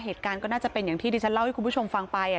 เหตุการณ์ก็น่าจะเป็นอย่างที่ที่ฉันเล่าให้คุณผู้ชมฟังไป